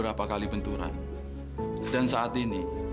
nggak ada dewi ini